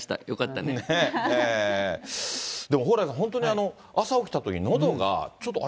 でも蓬莱さん、本当に朝起きたとき、のどがちょっとあれ？